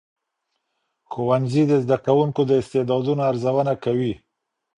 ښوونځي د زدهکوونکو د استعدادونو ارزونه کوي.